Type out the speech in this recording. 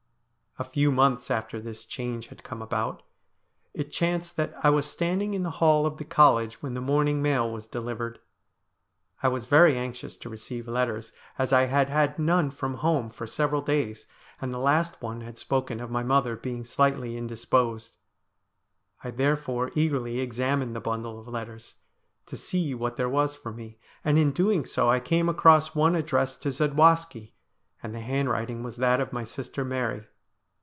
A few months after this change had come about, it chanced that I was standing in the hall of the college when the morning mail was delivered. I was very anxious to receive letters, as I had had none from home for several days, and the last one had spoken of my mother being slightly indisposed. I there fore eagerly examined the bundle of letters to see what there was for me, and in doing so I came across one addressed to Zadwaski, and the handwriting was that of my sister Mary.